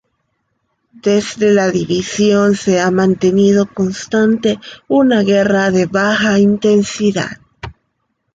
Desde la división se ha mantenido constante una guerra de baja intensidad.